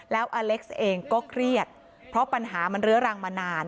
แล้วอเล็กซ์เองก็เครียดเพราะปัญหามันเรื้อรังมานาน